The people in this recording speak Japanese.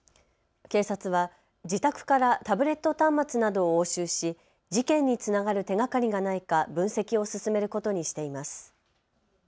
警察は自宅からタブレット端末などを押収し事件につながる手がかりがないか分析を進めることにしています。